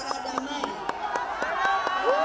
seluruh bangsa indonesia